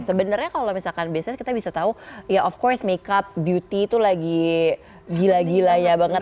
sebenarnya kalau misalkan bisnis kita bisa tahu ya of course makeup beauty itu lagi gila gila ya banget